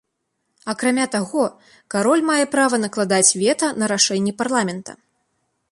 Акрамя таго, кароль мае права накладаць вета на рашэнні парламента.